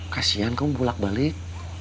kasian kamu pulak balik